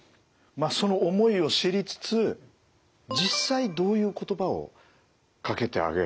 その思いを知りつつ実際どういう言葉をかけてあげられるといいんですかね？